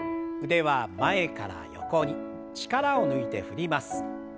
腕は前から横に力を抜いて振ります。